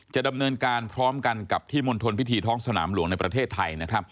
จะดำเนินการพร้อมกันกับที่มณฑลพิธีท้องสนามหลวงในประเทศไทยนะครับ